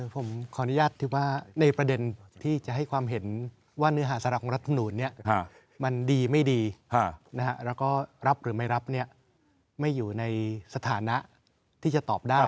ผมขออนุญาตถือว่าในประเด็นที่จะให้ความเห็นว่าเนื้อหาสาระของรัฐมนูลมันดีไม่ดีแล้วก็รับหรือไม่รับไม่อยู่ในสถานะที่จะตอบได้